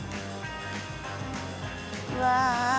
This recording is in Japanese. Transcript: うわ。